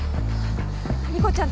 理子ちゃん